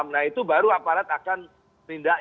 nah itu baru aparat akan menindak